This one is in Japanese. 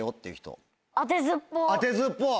当てずっぽう。